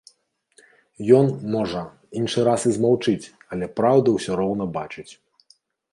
Ён, можа, іншы раз і змаўчыць, але праўду ўсё роўна бачыць.